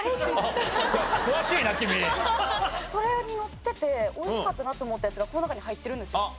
それにのってておいしかったなって思ったやつがこの中に入ってるんですよ。